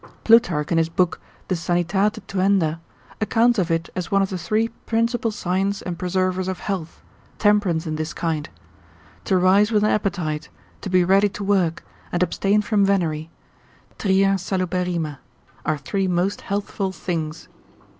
Plutarch in his book de san. tuend. accounts of it as one of the three principal signs and preservers of health, temperance in this kind: to rise with an appetite, to be ready to work, and abstain from venery, tria saluberrima, are three most healthful things.